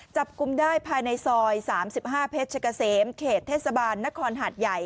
จับกลุ่มได้ภายในซอย๓๕เพชรเกษมเขตเทศบาลนครหาดใหญ่